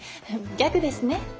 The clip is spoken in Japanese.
ギャグですね。